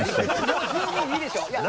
もう十分いいでしょ？